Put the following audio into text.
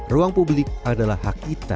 ruang publik adalah hak kita